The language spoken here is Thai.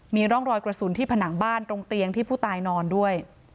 มีร่องรอยกระสุนที่ผนังบ้านตรงเตียงที่ผู้ตายนอนด้วย